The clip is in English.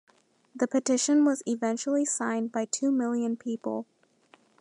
The petition was "eventually signed by two million people".